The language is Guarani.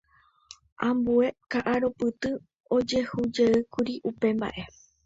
Ambue ka'arupytũ ojehujeýkuri upe mba'e.